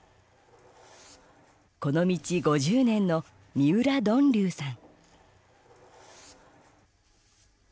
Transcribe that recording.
この道５０年の三浦呑龍さん。